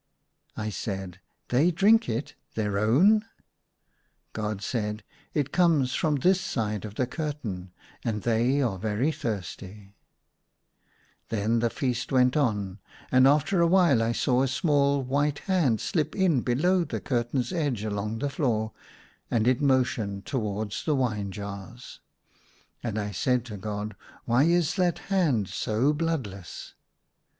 I said, " They drink it — their own !" God said, "It comes from this side of the curtain, and they are very thirsty." A CROSS M V BED. 145 Then the feast went on, and after a while I saw a small, white hand slipped in below the curtain's edge along the floor; and it motioned towards the wine jars. And I said to God, " Why is that hand so bloodless